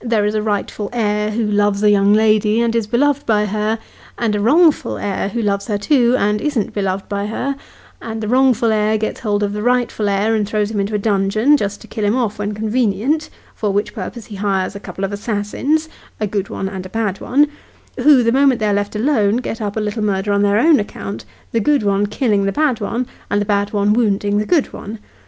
There is a rightful heir, who loves a young lady, and is beloved by her ; and a wrongful heir, who loves her too, and isn't beloved by her ; and the wrongful heir gets hold of the rightful heir, and throws him into a dungeon, just to kill him off when convenient, for which purpose he hires a couple of assassins a good one and a bad one who, the moment they are left alone, get up a little murder on their own account, the good one killing the bad one, and the bad one wounding the good one.